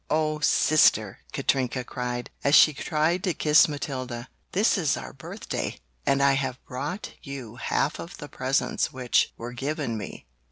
"Oh, sister," Katrinka cried, as she tried to kiss Matilda. "This is our birthday and I have brought you half of the presents which were given me!